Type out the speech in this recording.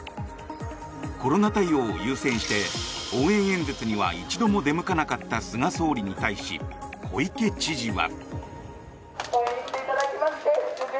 コロナ対応を優先して応援演説には一度も出向かなかった菅総理に対し小池知事は。